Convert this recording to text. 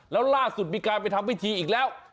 แล้วล่าสุดมีการไปทำพิธีอีกแล้ว